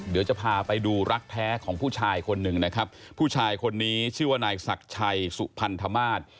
เดี๋ยวจะพาไปดูรักแท้ของผู้ชายคนหนึ่งนะครับผู้ชายคนนี้ชื่อว่านายศักดิ์ชัยสุพันธมาศ